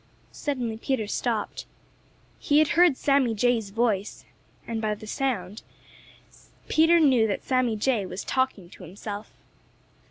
Suddenly Peter stopped. He had heard Sammy Jay's voice, and by the sound, Peter knew that Sammy was talking to himself.